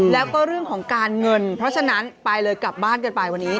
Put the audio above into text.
แล้วก็เรื่องของการเงินเพราะฉะนั้นไปเลยกลับบ้านกันไปวันนี้